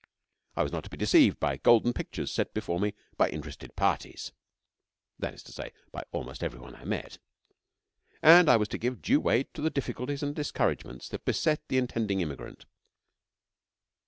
I was not to be deceived by golden pictures set before me by interested parties (that is to say, by almost every one I met), and I was to give due weight to the difficulties and discouragements that beset the intending immigrant.